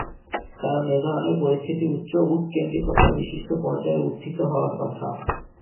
কারণ এ ধরনের পরিস্থিতি উচ্চ উৎকেন্দ্রিকতা বিশিষ্ট পর্যায়ে উত্থিত হওয়ার কথা।